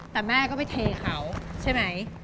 แต่แม่ก็ไปเทเขาใช่ไหม